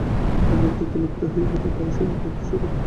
তাঁদের ব্যক্তিত্ব লুপ্ত হয়ে গেছে, তাঁরা শুধুই তত্ত্বস্বরূপ।